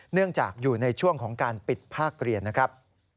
เนื่องจากอยู่ในช่วงของการปิดภาคเรียนนะครับ